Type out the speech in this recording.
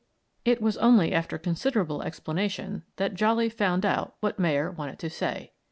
It was only after considerable explanation that Jolly found out what Mayer wanted to say.